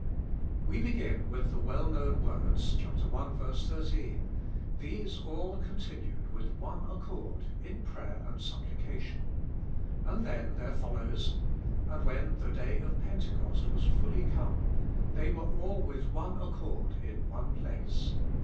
We begin with the well known words (i. 13), " These all continued with one accord in prayer and supplication." And then there follows :" And when the day of Pentecost was fully come, they were all with one accord in one place.